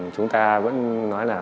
chúng ta vẫn nói là